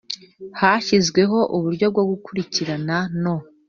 hashyizweho uburyo bwo gukurikirana no